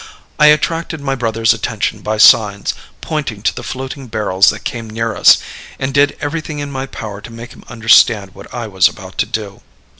I attracted my brother's attention by signs, pointed to the floating barrels that came near us, and did everything in my power to make him understand what I was about to do.